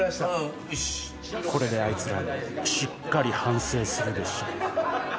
これであいつらもしっかり反省するでしょう。